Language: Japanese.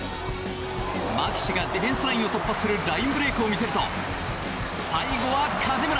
マキシがディフェンスラインを突破するラインブレークを見せると最後は梶村！